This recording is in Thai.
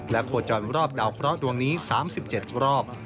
และโพรจรรอบดาวเพราะดวงนี้๓๗รอบ